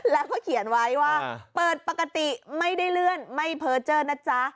แล้วก็เขียนไว้ว่าเปิดปกติไม่ได้เลื่อนไม่เพอร์เจอร์นะจ๊ะ